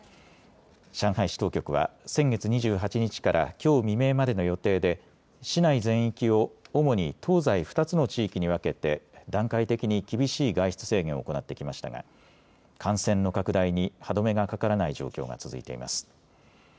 上海市当局は先月２８日からきょう未明までの予定で市内全域を主に東西２つの地域に分けて段階的に厳しい外出制限を行ってきましたが感染の拡大に歯止めがかからない状況が続いています。